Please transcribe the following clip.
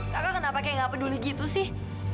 kakak kenapa kayak gak peduli gitu sih